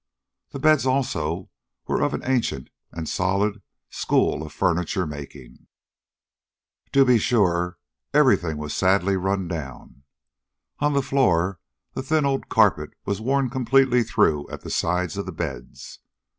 The beds, also, were of an ancient and solid school of furniture making. To be sure, everything was sadly run down. On the floor the thin old carpet was worn completely through at the sides of the beds.